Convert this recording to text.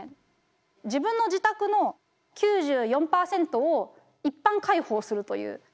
自分の自宅の９４％を一般開放するという。